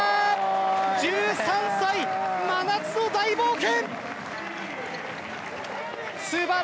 １３歳、真夏の大冒険！